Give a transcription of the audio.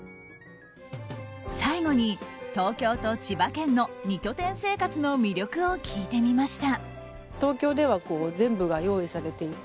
最後に東京と千葉県の２拠点生活の魅力を聞いてみました。